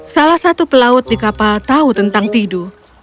salah satu pelaut di kapal tahu tentang tidu